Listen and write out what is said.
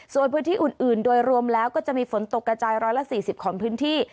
ส่วนพื้นที่อื่นโดยรวมแล้วก็จะมีฝนตกกระจาย๑๔๐ของพื้นที่